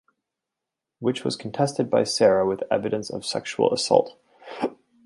Which was contested by Sarah with evidence of sexual assault.